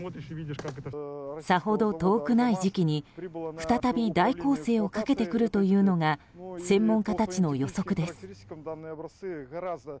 さほど遠くない時期に、再び大攻勢をかけてくるというのが専門家たちの予測です。